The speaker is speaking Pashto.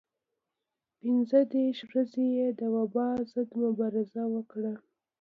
پنځه دېرش ورځې یې د وبا ضد مبارزه وکړه.